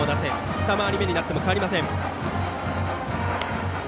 二回り目になっても変わりません。